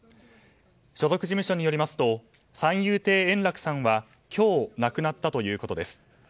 所属事務所によりますと三遊亭円楽さんは今日、亡くなったということです。